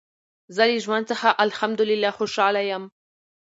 زه له ژوند څخه الحمدلله خوشحاله یم.